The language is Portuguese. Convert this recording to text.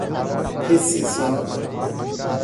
rescisão